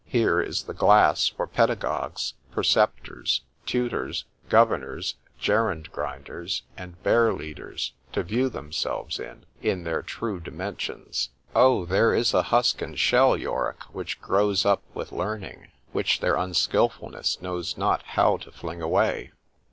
—Here is the glass for pedagogues, preceptors, tutors, governors, gerund grinders, and bear leaders to view themselves in, in their true dimensions.— Oh! there is a husk and shell, Yorick, which grows up with learning, which their unskilfulness knows not how to fling away!